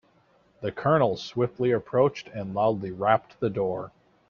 The colonel swiftly approached and loudly rapped the door.